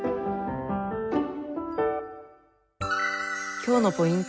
今日のポイント